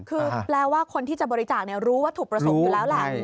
คือแปลว่าคนที่จะบริจาครู้วัตถุประสงค์อยู่แล้วแหละ